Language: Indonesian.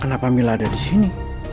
kenapa mila ada disini